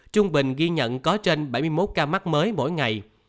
trung bình ghi nhận có trên bảy mươi một ca mắc mới mỗi ngày